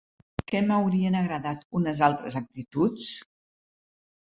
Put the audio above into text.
Que m’haurien agradat unes altres actituds?